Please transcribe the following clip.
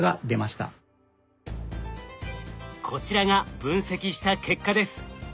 こちらが分析した結果です。